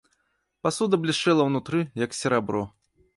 Пасуда блішчэла ўнутры, як серабро.